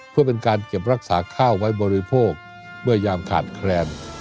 เพื่อเป็นการเก็บรักษาข้าวไว้บริโภคเมื่อยามขาดแคลน